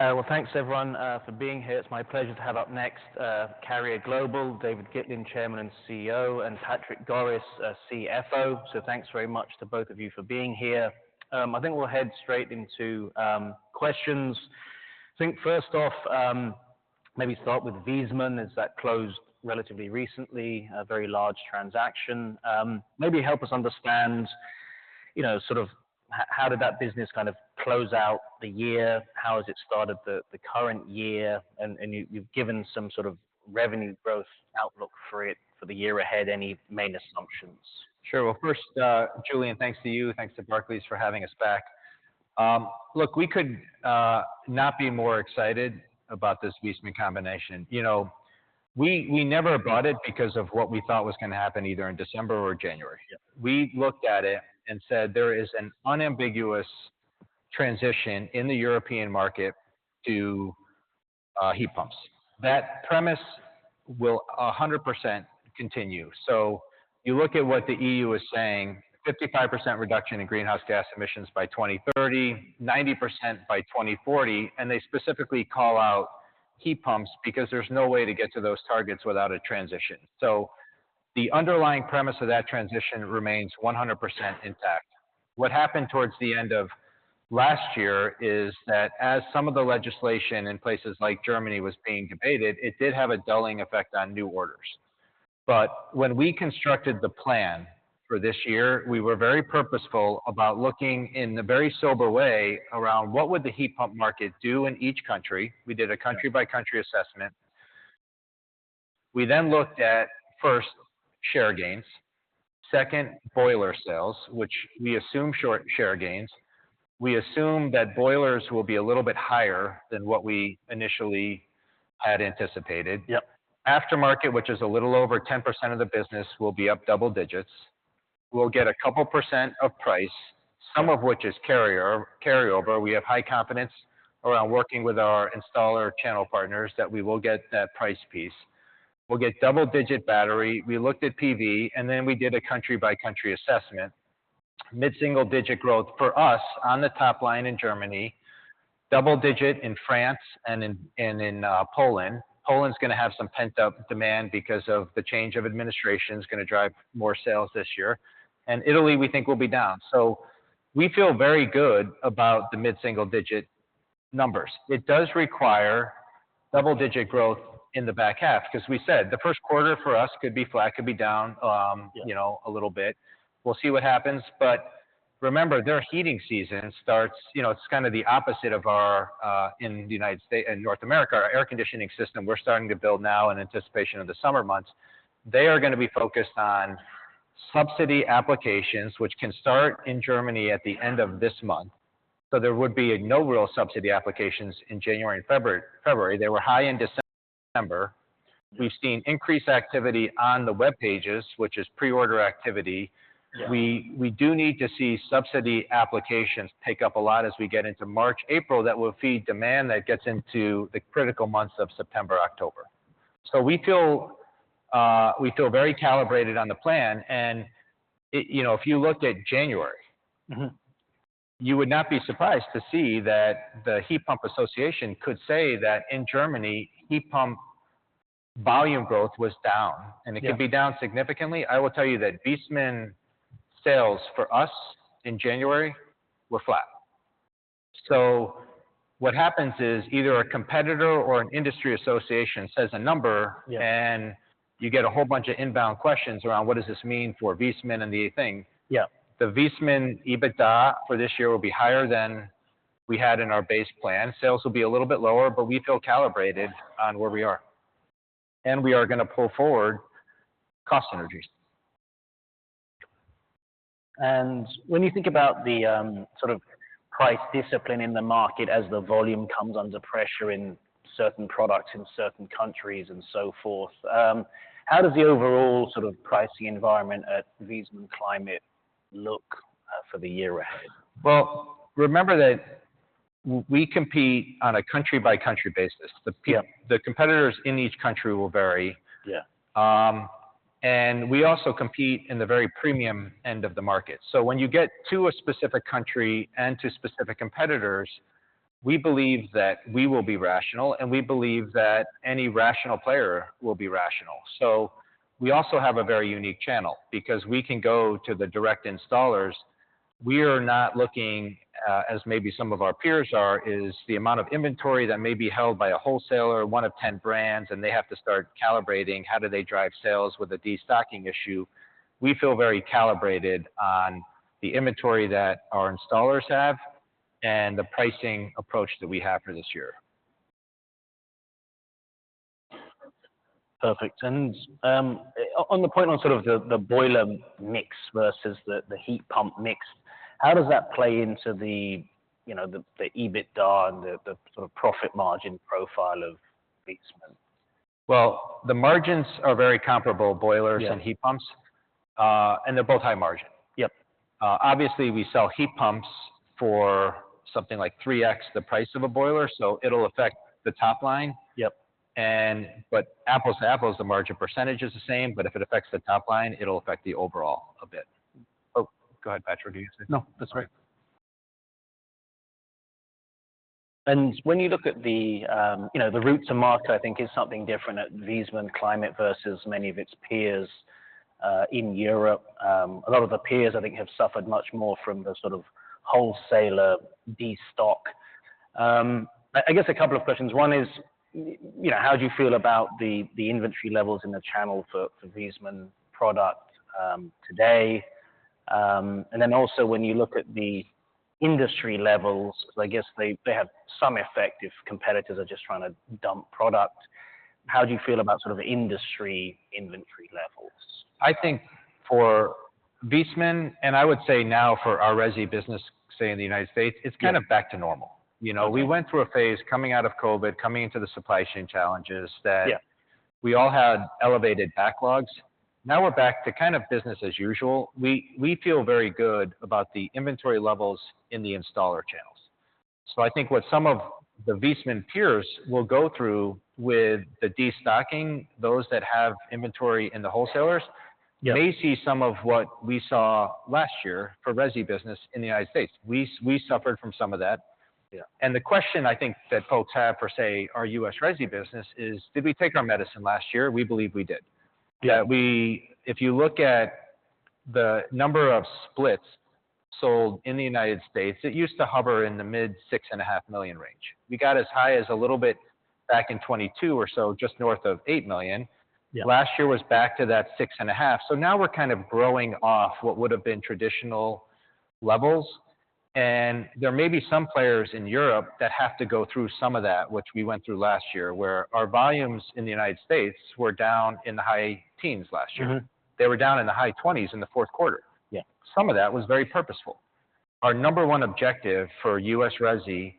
Well, thanks everyone for being here. It's my pleasure to have up next Carrier Global, David Gitlin, Chairman and CEO, and Patrick Goris, CFO. So thanks very much to both of you for being here. I think we'll head straight into questions. I think first off, maybe start with Viessmann, as that closed relatively recently, a very large transaction. Maybe help us understand, you know, sort of how did that business kind of close out the year? How has it started the current year? And you, you've given some sort of revenue growth outlook for it for the year ahead, any main assumptions? Sure. Well, first, Julian, thanks to you. Thanks to Barclays for having us back. Look, we could not be more excited about this Viessmann combination. You know, we, we never bought it because of what we thought was gonna happen either in December or January. Yeah. We looked at it and said, "There is an unambiguous transition in the European market to heat pumps." That premise will 100% continue. So you look at what the EU is saying, 55% reduction in greenhouse gas emissions by 2030, 90% by 2040, and they specifically call out heat pumps because there's no way to get to those targets without a transition. So the underlying premise of that transition remains 100% intact. What happened towards the end of last year is that as some of the legislation in places like Germany was being debated, it did have a dulling effect on new orders. But when we constructed the plan for this year, we were very purposeful about looking in a very sober way around what would the heat pump market do in each country. We did a country-by-country assessment. We then looked at, first, share gains, second, boiler sales, which we assume short share gains. We assume that boilers will be a little bit higher than what we initially had anticipated. Yep. Aftermarket, which is a little over 10% of the business, will be up double digits. We'll get a couple of % of price, some of which is Carrier carryover. We have high confidence around working with our installer channel partners that we will get that price piece. We'll get double-digit battery. We looked at PV, and then we did a country-by-country assessment. Mid-single-digit growth for us on the top line in Germany, double-digit in France and in, and in Poland. Poland's gonna have some pent-up demand because of the change of administration is gonna drive more sales this year. And Italy, we think, will be down. So we feel very good about the mid-single-digit numbers. It does require double-digit growth in the back half, because we said, the first quarter for us could be flat, could be down. Yeah You know, a little bit. We'll see what happens. But remember, their heating season starts, you know, it's kind of the opposite of our in North America, our air conditioning system, we're starting to build now in anticipation of the summer months. They are gonna be focused on subsidy applications, which can start in Germany at the end of this month. So there would be no real subsidy applications in January and February. They were high in December. We've seen increased activity on the web pages, which is pre-order activity. Yeah. We do need to see subsidy applications pick up a lot as we get into March, April. That will feed demand that gets into the critical months of September, October. So we feel very calibrated on the plan, and you know, if you looked at January you would not be surprised to see that the Heat Pump Association could say that in Germany, heat pump volume growth was down— Yeah And it could be down significantly. I will tell you that Viessmann sales for us in January were flat. So what happens is, either a competitor or an industry association says a number— Yeah And you get a whole bunch of inbound questions around what does this mean for Viessmann and the thing. Yeah. The Viessmann EBITDA for this year will be higher than we had in our base plan. Sales will be a little bit lower, but we feel calibrated on where we are. We are gonna pull forward cost synergies. When you think about the sort of price discipline in the market as the volume comes under pressure in certain products, in certain countries, and so forth, how does the overall sort of pricing environment at Viessmann Climate look for the year ahead? Well, remember that we compete on a country-by-country basis. The— Yeah The competitors in each country will vary. Yeah. And we also compete in the very premium end of the market. So when you get to a specific country and to specific competitors, we believe that we will be rational, and we believe that any rational player will be rational. So we also have a very unique channel because we can go to the direct installers. We are not looking, as maybe some of our peers are, is the amount of inventory that may be held by a wholesaler, one of ten brands, and they have to start calibrating how do they drive sales with a destocking issue. We feel very calibrated on the inventory that our installers have and the pricing approach that we have for this year. Perfect. And, on the point on sort of the, the boiler mix versus the, the heat pump mix, how does that play into the, you know, the, the EBITDA and the, the sort of profit margin profile of Viessmann? Well, the margins are very comparable, boilers. Yeah And heat pumps, and they're both high margin. Yep. Obviously, we sell heat pumps for something like 3x the price of a boiler, so it'll affect the top line. Yep. But apples to apples, the margin percentage is the same, but if it affects the top line, it'll affect the overall a bit. Oh, go ahead, Patrick. What do you say? No, that's all right. And when you look at the, you know, the route to market, I think is something different at Viessmann Climate versus many of its peers in Europe. A lot of the peers, I think, have suffered much more from the sort of wholesaler destock. I guess a couple of questions. One is, you know, how do you feel about the, the inventory levels in the channel for, for Viessmann product today? And then also when you look at the industry levels, I guess they, they have some effect if competitors are just trying to dump product. How do you feel about sort of industry inventory levels? I think for Viessmann, and I would say now for our resi business, say in the United States, it's kind of back to normal. You know, we went through a phase coming out of COVID, coming into the supply chain challenges, that— Yeah We all had elevated backlogs. Now we're back to kind of business as usual. We, we feel very good about the inventory levels in the installer channels. So I think what some of the Viessmann peers will go through with the destocking, those that have inventory in the wholesalers. Yeah May see some of what we saw last year for resi business in the United States. We suffered from some of that. Yeah. The question I think that folks have for, say, our U.S. resi business is, did we take our medicine last year? We believe we did. Yeah. If you look at the number of splits sold in the United States, it used to hover in the mid-6.5 million range. We got as high as a little bit back in 2022 or so, just north of 8 million. Yeah. Last year was back to that 6.5. So now we're kind of growing off what would have been traditional levels, and there may be some players in Europe that have to go through some of that, which we went through last year, where our volumes in the United States were down in the high teens last year. They were down in the high 20s in the fourth quarter. Yeah. Some of that was very purposeful. Our number one objective for U.S. resi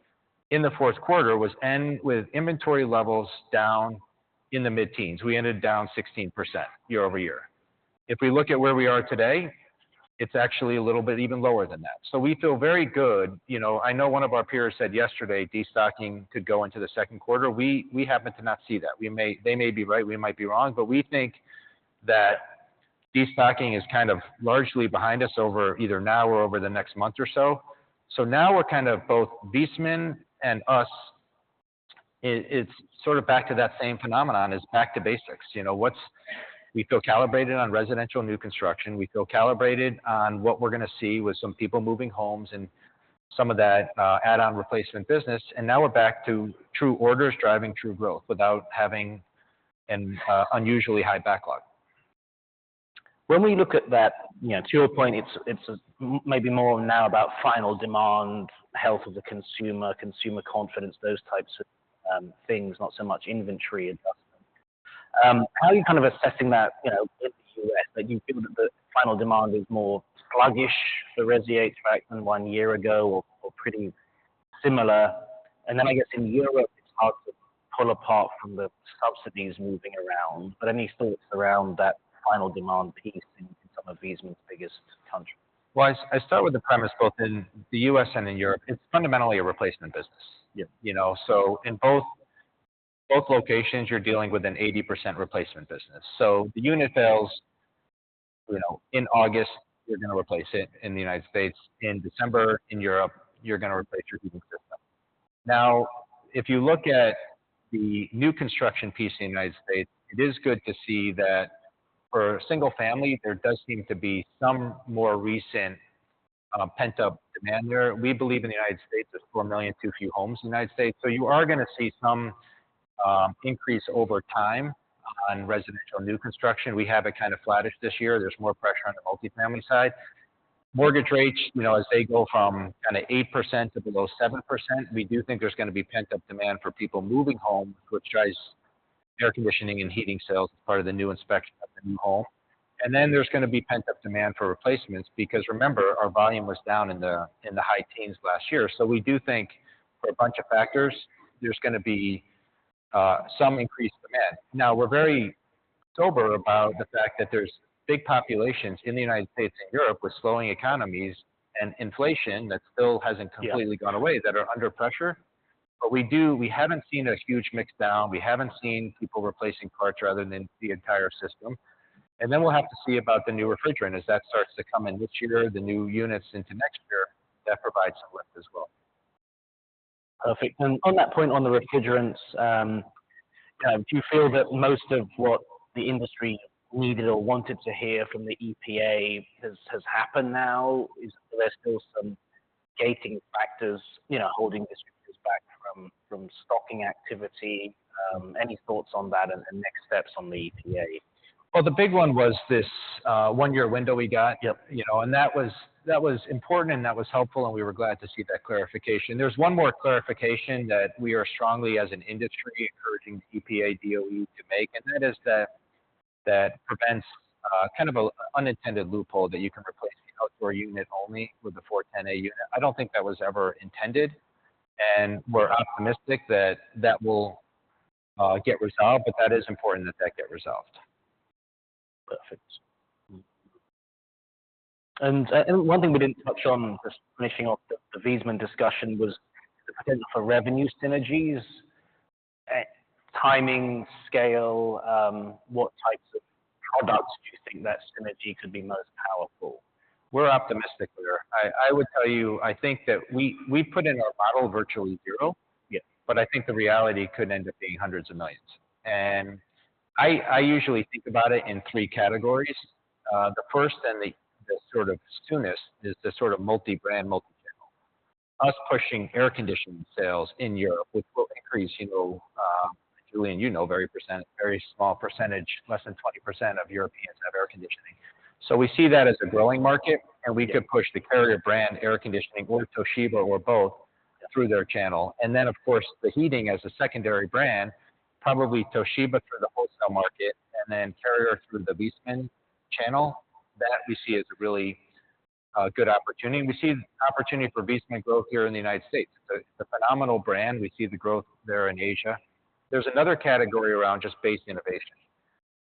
in the fourth quarter was end with inventory levels down in the mid-teens. We ended down 16% year-over-year. If we look at where we are today, it's actually a little bit even lower than that. So we feel very good. You know, I know one of our peers said yesterday, destocking could go into the second quarter. We happen to not see that. We may, they may be right, we might be wrong, but we think that destocking is kind of largely behind us over either now or over the next month or so. So now we're kind of both Viessmann and us, it's sort of back to that same phenomenon as back to basics. You know, what's, we feel calibrated on residential new construction. We feel calibrated on what we're gonna see with some people moving homes and some of that, add-on replacement business, and now we're back to true orders driving true growth without having an, unusually high backlog. When we look at that, you know, to your point, it's, it's, maybe more now about final demand, health of the consumer, consumer confidence, those types of things, not so much inventory adjustment. How are you kind of assessing that, you know, in the U.S., that you feel that the final demand is more sluggish, the resi sector than one year ago or, or pretty similar? And then I guess in Europe, it's hard to pull apart from the subsidies moving around, but any thoughts around that final demand piece in some of Viessmann's biggest countries? Well, I start with the premise, both in the U.S. and in Europe, it's fundamentally a replacement business. Yeah. You know, so in both, both locations, you're dealing with an 80% replacement business. So the unit fails, you know, in August, you're gonna replace it. In the United States in December, in Europe, you're gonna replace your heating system. Now, if you look at the new construction piece in the United States, it is good to see that for a single family, there does seem to be some more recent, pent-up demand there. We believe in the United States, there's 4 million too few homes in the United States, so you are gonna see some, increase over time on residential new construction. We have it kind of flattish this year. There's more pressure on the multifamily side. Mortgage rates, you know, as they go from kind of 8% to below 7%, we do think there's gonna be pent-up demand for people moving home, which drives air conditioning and heating sales as part of the new inspection of the new home. And then there's gonna be pent-up demand for replacements, because remember, our volume was down in the high teens last year. So we do think for a bunch of factors, there's gonna be some increased demand. Now, we're very sober about the fact that there's big populations in the United States and Europe with slowing economies and inflation that still hasn't completely— Yeah Gone away, that are under pressure. But we do, we haven't seen a huge mix down. We haven't seen people replacing parts rather than the entire system. And then we'll have to see about the new refrigerant as that starts to come in this year, the new units into next year. That provides some lift as well. Perfect. And on that point, on the refrigerants, kind of do you feel that most of what the industry needed or wanted to hear from the EPA has happened now? Is there still some gating factors, you know, holding distributors back from stocking activity? Any thoughts on that and next steps on the EPA? Well, the big one was this one-year window we got. Yep. You know, and that was, that was important and that was helpful, and we were glad to see that clarification. There's one more clarification that we are strongly, as an industry, encouraging the EPA, DOE to make, and that is that, that prevents, kind of a unintended loophole that you can replace the outdoor unit only with the R-410A unit. I don't think that was ever intended, and we're optimistic that that will, get resolved, but that is important that that get resolved. Perfect. And, and one thing we didn't touch on, just finishing off the Viessmann discussion, was the potential for revenue synergies, timing, scale, what types of products do you think that synergy could be most powerful? We're optimistic there. I would tell you, I think that we put in our model virtually zero. Yeah. But I think the reality could end up being hundreds of millions. And I usually think about it in three categories. The first and the sort of soonest is the sort of multi-brand, multi-channel. Us pushing air conditioning sales in Europe, which will increase, you know, Julian, you know, very small percentage, less than 20% of Europeans have air conditioning. So we see that as a growing market, and we could push the Carrier brand air conditioning or Toshiba or both through their channel. And then, of course, the heating as a secondary brand, probably Toshiba through the wholesale market and then Carrier through the Viessmann channel. That we see as a really good opportunity. We see an opportunity for Viessmann growth here in the United States. It's a phenomenal brand. We see the growth there in Asia. There's another category around just base innovation.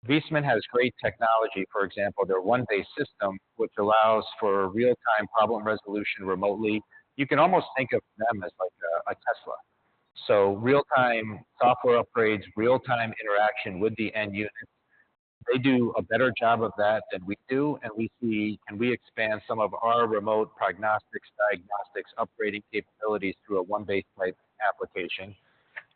Viessmann has great technology, for example, their One Base system, which allows for real-time problem resolution remotely. You can almost think of them as like a, a Tesla. So real-time software upgrades, real-time interaction with the end unit. They do a better job of that than we do, and we see, and we expand some of our remote prognostics, diagnostics, upgrading capabilities through a One Base-type application.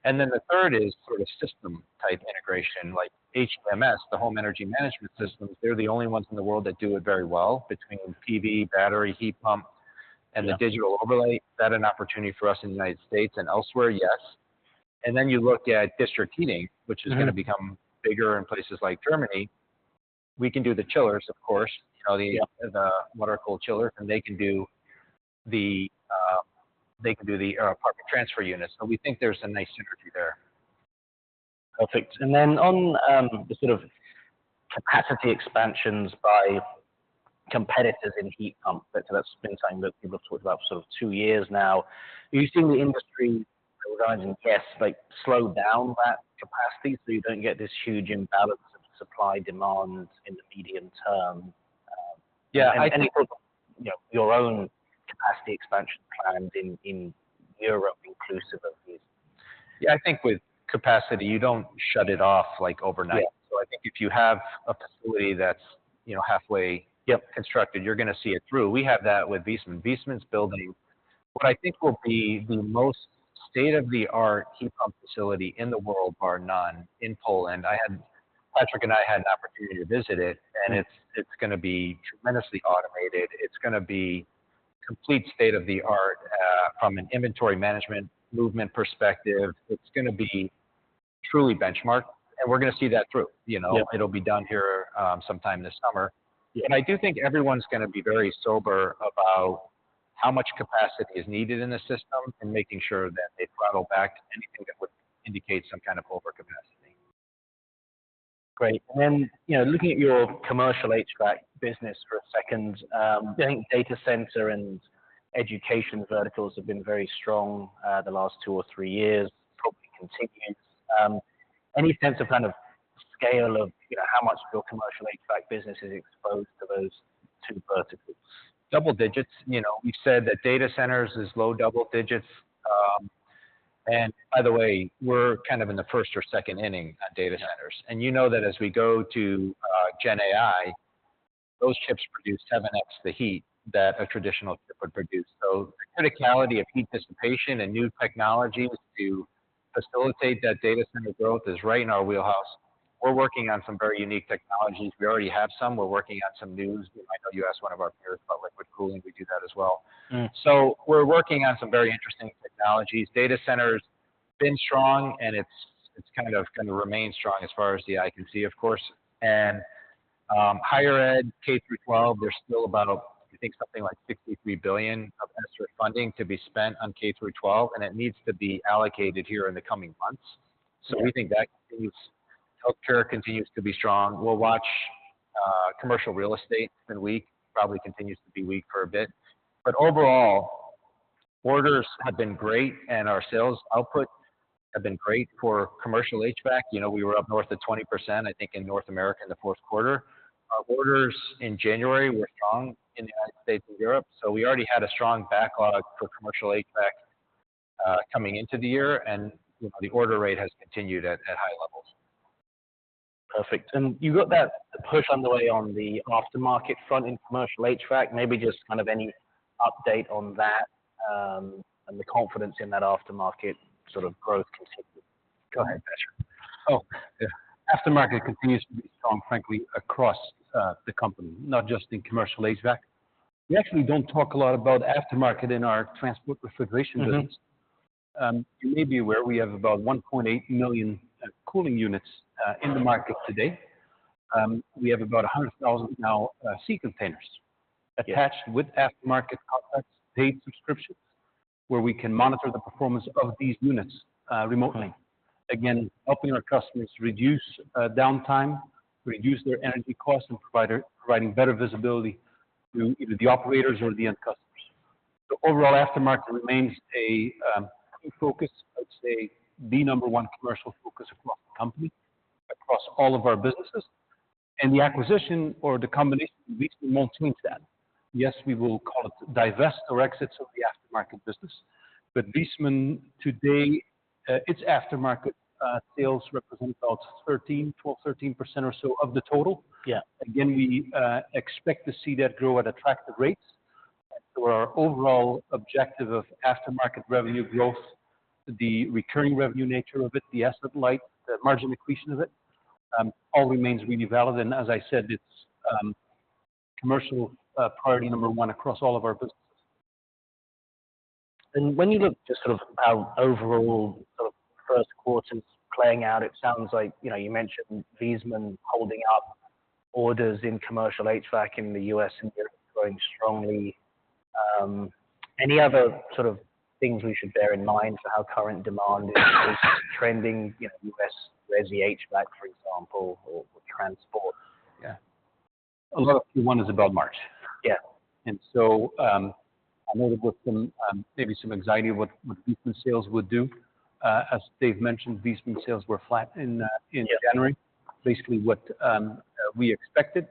And then the third is sort of system type integration, like HEMS, the Home Energy Management Systems. They're the only ones in the world that do it very well, between PV, battery, heat pump, and the digital overlay. Is that an opportunity for us in the United States and elsewhere? Yes. And then you look at district heating, which is gonna become bigger in places like Germany. We can do the chillers, of course, you know, the— Yeah The water-cooled chiller, and they can do the apartment transfer units, so we think there's some nice synergy there. Perfect. And then on the sort of capacity expansions by competitors in heat pumps, that's been something that people talked about for sort of two years now. Do you see the industry, I wouldn't guess, like, slow down that capacity, so you don't get this huge imbalance of supply, demand in the medium term? Yeah, I think— You know, your own capacity expansion plans in Europe, inclusive of this. Yeah, I think with capacity, you don't shut it off, like, overnight. Yeah. So I think if you have a facility that's, you know, halfway— Yep Constructed, you're gonna see it through. We have that with Viessmann. Viessmann's building, what I think will be the most state-of-the-art heat pump facility in the world, bar none, in Poland. I had Patrick and I had an opportunity to visit it, and it's, it's gonna be tremendously automated. It's gonna be complete state-of-the-art, from an inventory management movement perspective. It's gonna be truly benchmark, and we're gonna see that through, you know? Yep. It'll be done here, sometime this summer. Yeah. I do think everyone's gonna be very sober about how much capacity is needed in the system and making sure that they throttle back anything that would indicate some kind of overcapacity. Great. And then, you know, looking at your commercial HVAC business for a second, I think data center and education verticals have been very strong, the last two or three years, probably continuing. Any sense of kind of scale of, you know, how much of your commercial HVAC business is exposed to those two verticals? Double digits. You know, we've said that data centers is low double digits. And by the way, we're kind of in the first or second inning on data centers. And you know that as we go to GenAI, those chips produce 7x the heat that a traditional chip would produce. So the criticality of heat dissipation and new technologies to facilitate that data center growth is right in our wheelhouse. We're working on some very unique technologies. We already have some. We're working on some news. I know you asked one of our peers about liquid cooling, we do that as well. So we're working on some very interesting technologies. Data centers been strong, and it's, it's kind of going to remain strong as far as the eye can see, of course. And higher ed, K-12, there's still about, I think, something like $63 billion of extra funding to be spent on K-12, and it needs to be allocated here in the coming months. Yeah. So we think that continues. Healthcare continues to be strong. We'll watch, commercial real estate in a week, probably continues to be weak for a bit. But overall, orders have been great, and our sales output have been great for commercial HVAC. You know, we were up north of 20%, I think, in North America in the fourth quarter. Our orders in January were strong in the United States and Europe, so we already had a strong backlog for commercial HVAC, coming into the year, and the order rate has continued at, at high levels. Perfect. You got that push underway on the aftermarket front in commercial HVAC. Maybe just kind of any update on that, and the confidence in that aftermarket sort of growth continue. Go ahead, Patrick. Oh, yeah. Aftermarket continues to be strong, frankly, across the company, not just in commercial HVAC. We actually don't talk a lot about aftermarket in our transport refrigeration business. Mm-hmm. You may be aware we have about 1.8 million cooling units in the market today. We have about 100,000 now sea containers— Yeah Attached with aftermarket outlets, paid subscriptions, where we can monitor the performance of these units, remotely. Again, helping our customers reduce downtime, reduce their energy costs, and providing better visibility to either the operators or the end customers. The overall aftermarket remains a key focus, I'd say the number one commercial focus across the company, across all of our businesses. The acquisition or the combination with Viessmann won't change that. Yes, we will call it divest or exits of the aftermarket business. But Viessmann today, its aftermarket sales represent about 13, 12, 13% or so of the total. Yeah. Again, we expect to see that grow at attractive rates. So our overall objective of aftermarket revenue growth, the recurring revenue nature of it, the asset light, the margin accretion of it, all remains really valid. And as I said, it's commercial priority number one across all of our businesses. When you look just sort of our overall sort of first quarter playing out, it sounds like, you know, you mentioned Viessmann holding up orders in commercial HVAC in the U.S. and growing strongly. Any other sort of things we should bear in mind for how current demand is trending, you know, U.S. resi HVAC, for example, or transport? Yeah. A lot of Q1 is about March. Yeah. And so, I know there was some maybe some anxiety what Viessmann sales would do. As David mentioned, Viessmann sales were flat in January. Yeah. Basically what we expected.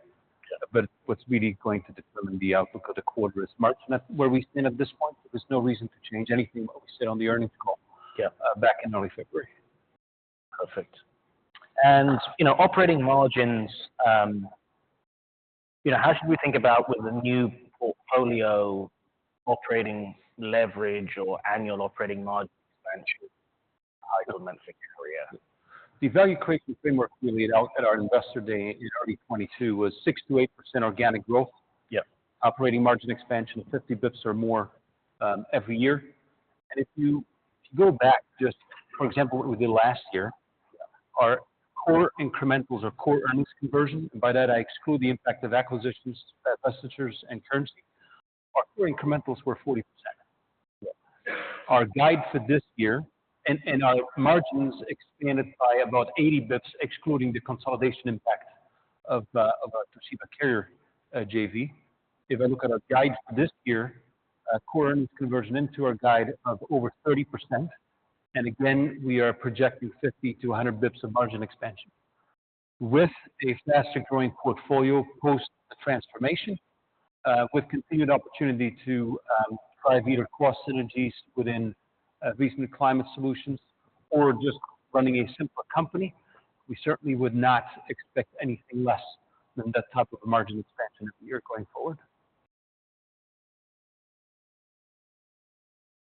Yeah. What's really going to determine the outlook of the quarter is March. That's where we stand at this point. There's no reason to change anything what we said on the earnings call. Yeah Back in early February. Perfect. You know, operating margins, you know, how should we think about with the new portfolio operating leverage or annual operating margin expansion implementing Carrier? The value creation framework we laid out at our Investor Day in 2022 was 6%-8% organic growth. Yeah. Operating margin expansion of 50 basis points or more, every year. And if you go back just, for example, what we did last year— Yeah Our core incrementals or core earnings conversion, and by that, I exclude the impact of acquisitions, divestitures, and currency. Our core incrementals were 40%. Yeah. Our guide for this year and our margins expanded by about 80 basis points, excluding the consolidation impact of our Toshiba Carrier JV. If I look at our guides for this year, core earnings conversion into our guide of over 30%, and again, we are projecting 50-100 basis points of margin expansion. With a faster-growing portfolio post transformation, with continued opportunity to drive either cross synergies within recent climate solutions or just running a simpler company, we certainly would not expect anything less than that type of a margin expansion year going forward.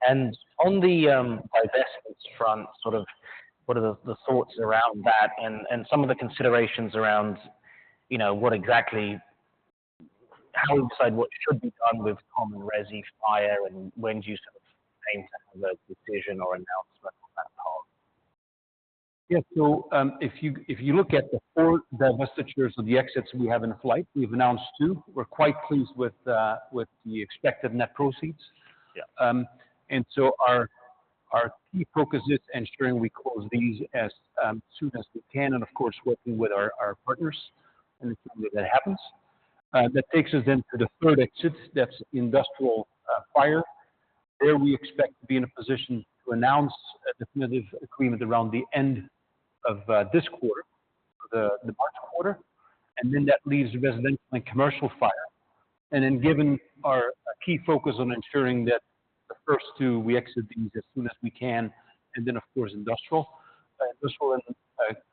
On the divestments front, sort of what are the thoughts around that and some of the considerations around, you know, what exactly how inside what should be done with commercial resi fire, and when do you sort of make a decision or announcement on that part? Yeah. So, if you, if you look at the four divestitures of the exits we have in flight, we've announced two. We're quite pleased with the, with the expected net proceeds. Yeah. Our key focus is ensuring we close these as soon as we can and, of course, working with our partners, and that happens. That takes us then to the third exit, that's industrial fire. There, we expect to be in a position to announce a definitive agreement around the end of this quarter, the March quarter, and then that leaves residential and commercial fire. Given our key focus on ensuring that the first two, we exit these as soon as we can, and then, of course, industrial. Industrial and,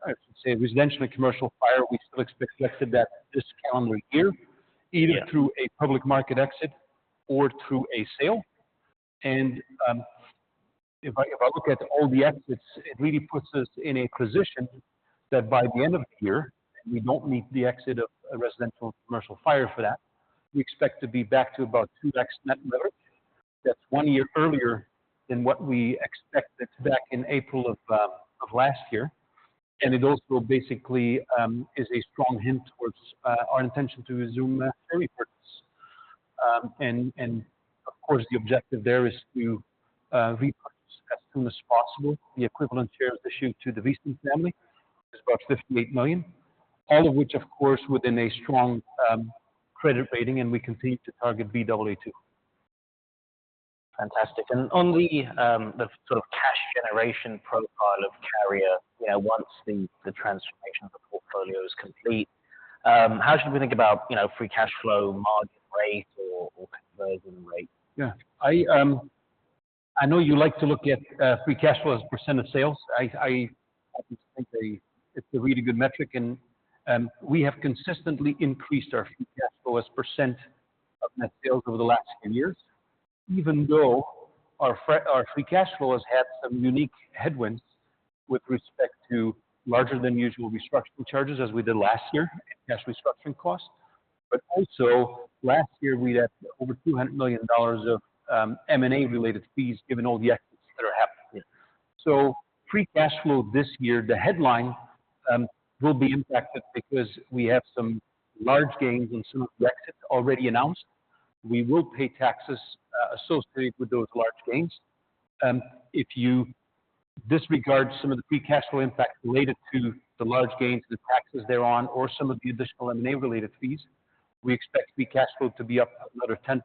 I should say residential and commercial fire, we still expect exit that this calendar year. Yeah Either through a public market exit or through a sale. And if I look at all the exits, it really puts us in a position that by the end of the year, we don't need the exit of a residential commercial fire for that. We expect to be back to about 2x net leverage. That's one year earlier than what we expected back in April of last year. And it also basically is a strong hint towards our intention to resume share repurchase. And of course, the objective there is to repurchase as soon as possible. The equivalent shares issued to the Viessmann family is about 58 million, all of which, of course, within a strong credit rating, and we continue to target Baa2. Fantastic. On the sort of cash generation profile of Carrier, you know, once the transformation of the portfolio is complete, how should we think about, you know, free cash flow, margin rate or conversion rate? Yeah. I know you like to look at free cash flow as a % of sales. I think it's a really good metric, and we have consistently increased our free cash flow as % of net sales over the last 10 years, even though our free cash flow has had some unique headwinds with respect to larger than usual restructuring charges, as we did last year, and cash restructuring costs. But also last year, we had over $200 million of M&A-related fees, given all the exits that are happening. So free cash flow this year, the headline will be impacted because we have some large gains in some exits already announced. We will pay taxes associated with those large gains. If you disregard some of the free cash flow impact related to the large gains, the taxes thereon, or some of the additional M&A-related fees, we expect free cash flow to be up another 10%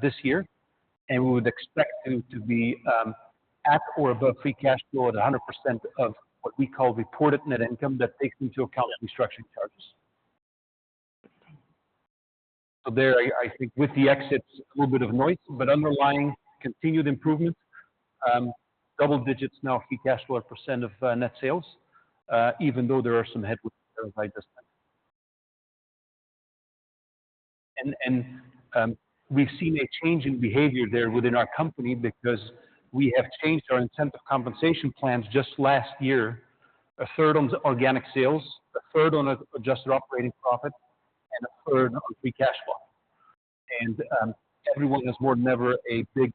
this year. And we would expect them to be at or above free cash flow at 100% of what we call reported net income that takes into account restructuring charges. So there, I think with the exits, a little bit of noise, but underlying continued improvement, double digits now, free cash flow percent of net sales, even though there are some headwinds there by this time. And we've seen a change in behavior there within our company because we have changed our incentive compensation plans just last year, a third on organic sales, a third on adjusted operating profit, and a third on free cash flow. And everyone has more than ever a big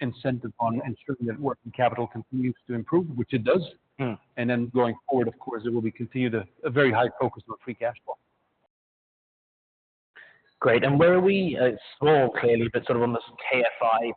incentive on ensuring that working capital continues to improve, which it does. Mm. And then going forward, of course, it will be continued, a very high focus on free cash flow. Great. And where are we, small, clearly, but sort of on this KPI?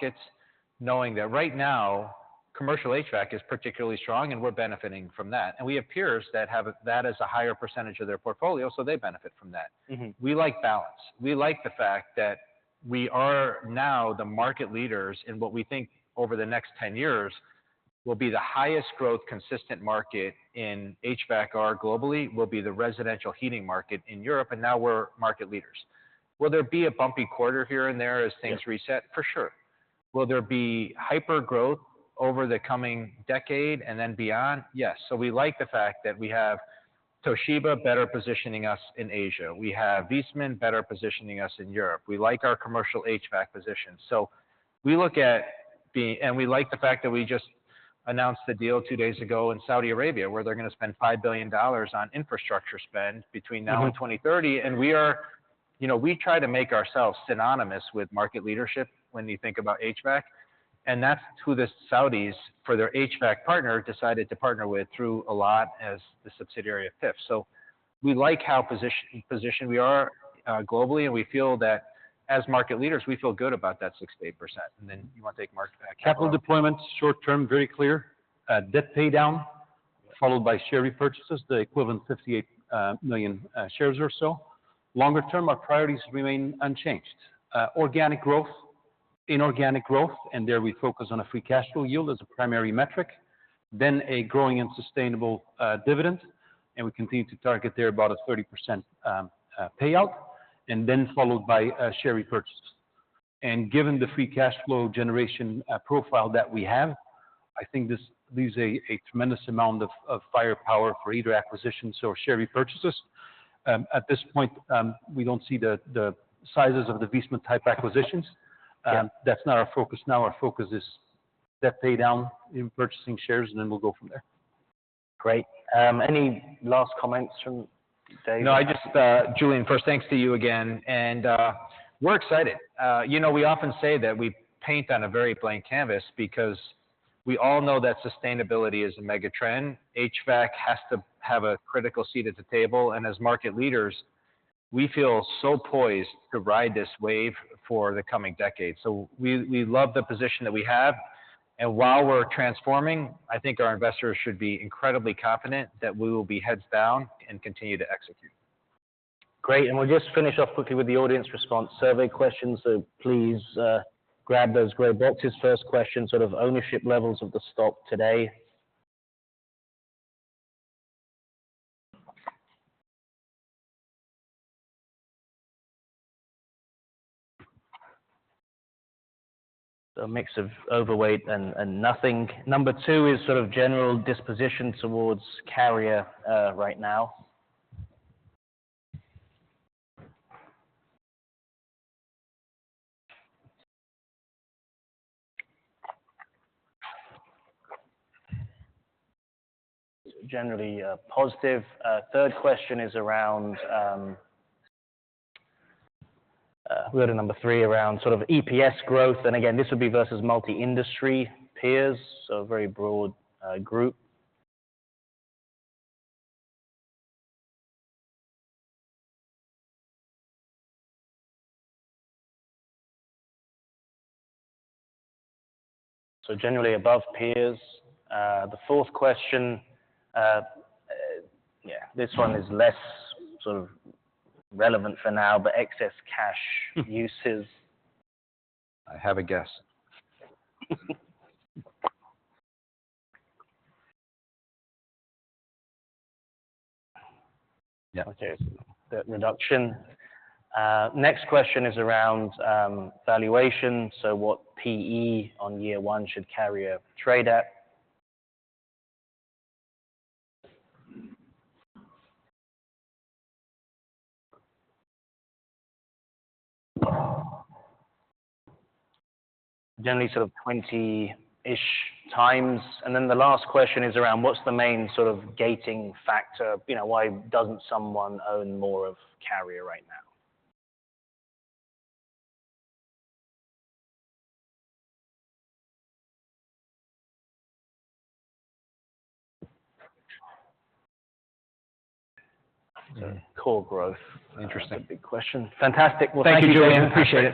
It's knowing that right now, commercial HVAC is particularly strong, and we're benefiting from that. We have peers that have that as a higher percentage of their portfolio, so they benefit from that. Mm-hmm. We like balance. We like the fact that we are now the market leaders in what we think over the next 10 years will be the highest growth consistent market in HVAC-R globally, will be the residential heating market in Europe, and now we're market leaders. Will there be a bumpy quarter here and there as things reset? Yeah. For sure. Will there be hypergrowth over the coming decade and then beyond? Yes. So we like the fact that we have Toshiba better positioning us in Asia. We have Viessmann better positioning us in Europe. We like our commercial HVAC position. And we like the fact that we just announced the deal two days ago in Saudi Arabia, where they're gonna spend $5 billion on infrastructure spend between now and 2030. Mm-hmm. And we are. You know, we try to make ourselves synonymous with market leadership when you think about HVAC, and that's who the Saudis, for their HVAC partner, decided to partner with through Alat as the subsidiary of PIF. So we like how position, position we are, globally, and we feel that as market leaders, we feel good about that 6%-8%. And then you want to take market back? Capital deployment, short term, very clear. Debt paydown, followed by share repurchases, the equivalent of 58 million shares or so. Longer term, our priorities remain unchanged. Organic growth, inorganic growth, and there we focus on a free cash flow yield as a primary metric, then a growing and sustainable dividend, and we continue to target there about a 30% payout, and then followed by share repurchases. And given the free cash flow generation profile that we have, I think this leaves a tremendous amount of firepower for either acquisitions or share repurchases. At this point, we don't see the sizes of the Viessmann-type acquisitions. Yeah. That's not our focus now. Our focus is debt paydown in purchasing shares, and then we'll go from there. Great. Any last comments from David? No, I just, Julian, first, thanks to you again, and, we're excited. You know, we often say that we paint on a very blank canvas because we all know that sustainability is a mega trend. HVAC has to have a critical seat at the table, and as market leaders, we feel so poised to ride this wave for the coming decade. So we love the position that we have, and while we're transforming, I think our investors should be incredibly confident that we will be heads down and continue to execute. Great. And we'll just finish off quickly with the audience response survey questions. So please, grab those gray boxes. First question, sort of ownership levels of the stock today. A mix of overweight and nothing. Number two is sort of general disposition towards Carrier right now. Generally positive. The third question is around, go to number three, around sort of EPS growth, and again, this would be versus multi-industry peers, so very broad group. So generally above peers. The fourth question, yeah, this one is less sort of relevant for now, but excess cash uses. I have a guess. Yeah. Okay. Debt reduction. Next question is around valuation. So what PE on year one should Carrier trade at? Generally sort of 20-ish times. And then the last question is around what's the main sort of gating factor, you know, why doesn't someone own more of Carrier right now? Core growth. Interesting. That's a big question. Fantastic. Well, thank you, Julian. Appreciate it.